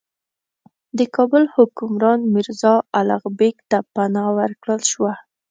د کابل حکمران میرزا الغ بېګ ته پناه ورکړل شوه.